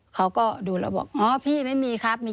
เขาก็ดูแล้วบอกพี่ไม่มีครับมี๗๒๐